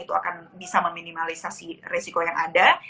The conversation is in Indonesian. itu akan bisa meminimalisasi risiko yang ada